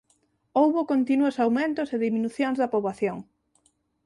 Houbo continuos aumentos e diminucións da poboación.